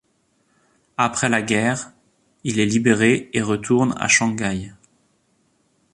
Après la guerre, il est libéré et retourne à Shanghai.